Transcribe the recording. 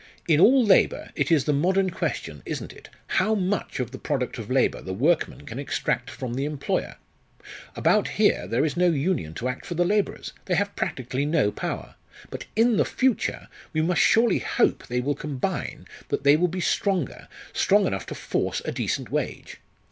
In all labour, it is the modern question, isn't it? how much of the product of labour the workman can extract from the employer? About here there is no union to act for the labourers they have practically no power. But in the future, we must surely hope they will combine, that they will be stronger strong enough to force a decent wage.